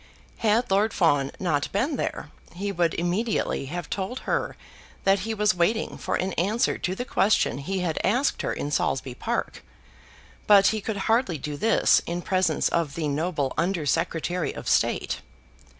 Had Lord Fawn not been there, he would immediately have told her that he was waiting for an answer to the question he had asked her in Saulsby Park, but he could hardly do this in presence of the noble Under Secretary of State.